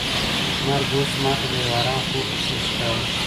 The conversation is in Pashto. مرګ اوس ماته د یو ارام خوب په څېر ښکاري.